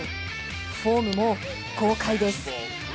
フォームも豪快です。